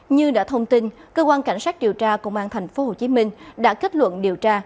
như đã thông tin cơ quan cảnh sát điều tra công an tp hcm đã kết luận điều tra